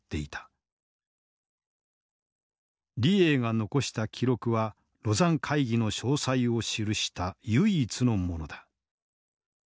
李鋭が残した記録は廬山会議の詳細を記した唯一のものだ。